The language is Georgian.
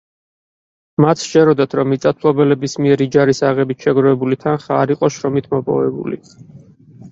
მათ სჯეროდათ, რომ მიწათმფლობელების მიერ იჯარის აღებით შეგროვებული თანხა არ იყო შრომით მოპოვებული.